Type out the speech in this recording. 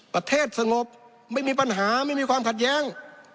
สงบไม่มีปัญหาไม่มีความขัดแย้ง